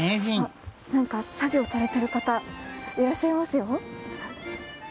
あっ何か作業されてる方いらっしゃいますよ。